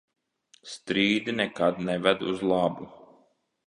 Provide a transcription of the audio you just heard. Strīdi nekad neved uz labu.